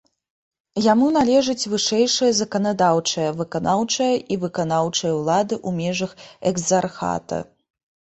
Яму належыць вышэйшая заканадаўчая, выканаўчая і выканаўчая ўлада ў межах экзархата.